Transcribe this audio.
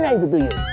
mana itu tuyul